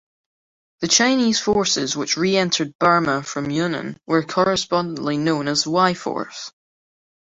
The Chinese forces which re-entered Burma from Yunnan were correspondingly known as Y Force.